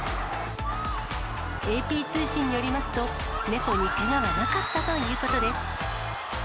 ＡＰ通信によりますと、ネコにけがはなかったということです。